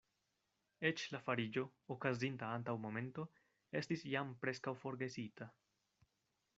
Eĉ la fariĝo, okazinta antaŭ momento, estis jam preskaŭ forgesita.